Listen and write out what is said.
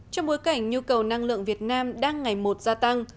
trong bối cảnh nhu cầu năng lượng việt nam đang ngày một gia tăng